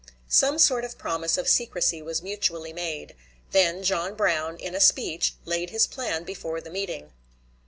Some sort of promise of secrecy was mutually made; then John Brown, in a speech, laid his plan before the meeting.